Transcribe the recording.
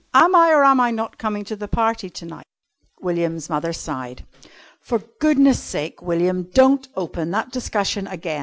"Am I or am I not coming to the party to night?" William's mother sighed. "For goodness' sake, William, don't open that discussion again.